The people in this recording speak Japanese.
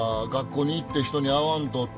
学校に行って人に会わんと。